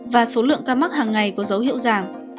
và số lượng ca mắc hàng ngày có dấu hiệu giảm